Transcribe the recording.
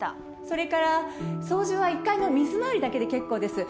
それから掃除は１階の水回りだけで結構です。